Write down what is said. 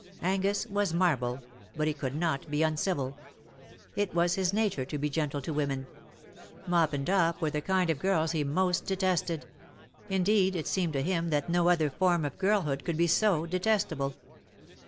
Angus was marble, but he could not be uncivil. It was his nature to be gentle to women. Mop and Dop were the kind of girls he most detested — indeed, it seemed to him that no other form of girlhood could be so detestable.